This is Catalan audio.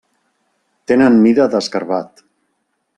Tenen mida d'escarabat.